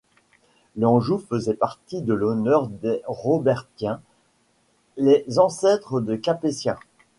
L'Anjou faisait partie de l'honneur des Robertiens — les ancêtres des Capétiens.